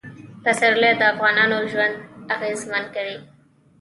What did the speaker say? پسرلی د افغانانو ژوند اغېزمن کوي.